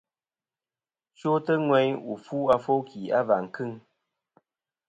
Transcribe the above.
Chwotɨ ŋweyn wù fu afo ki a và kɨŋ.